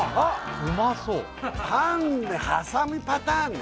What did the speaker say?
うまそうパンで挟むパターンね